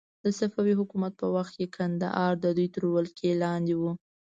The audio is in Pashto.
د صفوي حکومت په وخت کې کندهار د دوی تر ولکې لاندې و.